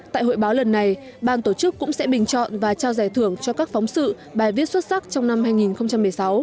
tại hội báo lần này ban tổ chức cũng sẽ bình chọn và trao giải thưởng cho các phóng sự bài viết xuất sắc trong năm hai nghìn một mươi sáu